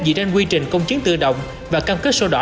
với chiến tự động và cam kết sâu đỏ